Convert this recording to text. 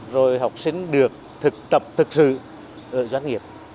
rồi học sinh được thực tập thực sự ở doanh nghiệp